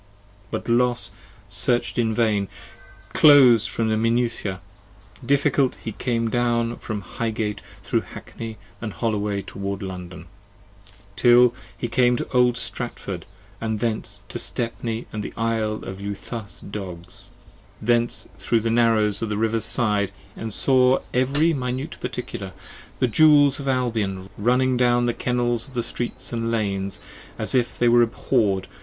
But Los Search'd in vain; clos'd from the minutia he walk'd, difficult He came down from Highgate thro' Hackney & Holloway towards London, 15 Till he came to old Stratford & thence to Stepney & the Isle Of Leutha's Dogs, thence thro' the narrows of the River's side And saw every minute particular, the jewels of Albion, running down The kennels of the streets & lanes as if they were abhorr'd.